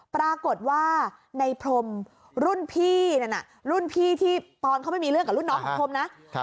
ปรากฏว่าในพรมรุ่นพี่นั่นน่ะรุ่นพี่ที่ตอนเขาไม่มีเรื่องกับรุ่นน้องของพรมนะ